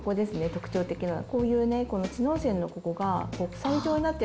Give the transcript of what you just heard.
特徴的なの。